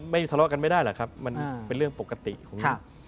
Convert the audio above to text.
ทะเลาะกันไม่ได้หรอกครับมันเป็นเรื่องปกติของ